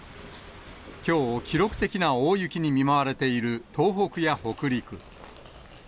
きょう、記録的な大雪に見舞われている東北や北陸。